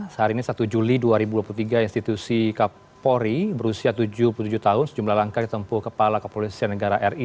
sehari ini satu juli dua ribu dua puluh tiga institusi kapolri berusia tujuh puluh tujuh tahun sejumlah langkah ditempuh kepala kepolisian negara ri